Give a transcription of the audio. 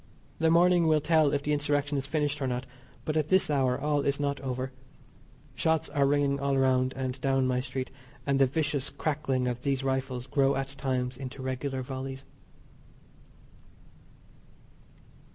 The morning will tell if the Insurrection is finished or not, but at this hour all is not over. Shots are ringing all around and down my street, and the vicious crackling of these rifles grow at times into regular volleys.